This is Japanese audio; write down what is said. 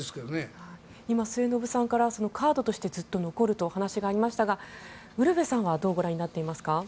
今、末延さんからカードとしてずっと残るという話がありましたがウルヴェさんはどうご覧になっていますか？